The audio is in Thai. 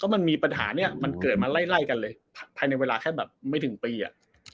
มันมีปัญหาเคยเกิดมาไล่แหล่ยนั้นเลยภายในเวลาแค่แบบไม่ถึงปี